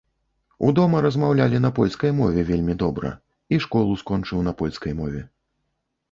У дома размаўлялі на польскай мове вельмі добра, і школу скончыў на польскай мове.